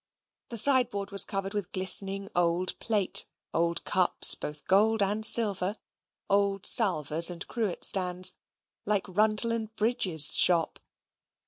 The sideboard was covered with glistening old plate old cups, both gold and silver; old salvers and cruet stands, like Rundell and Bridge's shop.